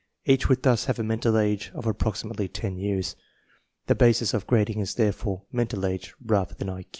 Each would thus have a mental age of approximately ten years. The basis of grading is therefore mental age rather tharul (J.